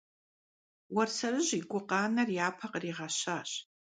Уэрсэрыжь и гукъанэр япэ къригъэщащ.